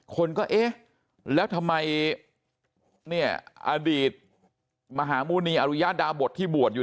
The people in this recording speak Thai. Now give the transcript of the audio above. คนก็เอ๊ะแล้วทำไมเนี่ยอดีตมหามุณีอรุยดาบทที่บวชอยู่